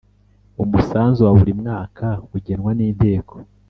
umusanzu wa buri mwaka ugenwa n Inteko